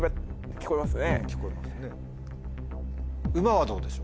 聞こえますよね。